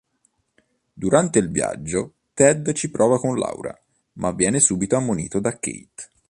Durante il viaggio Ted ci prova con Laura, ma viene subito ammonito da Kate.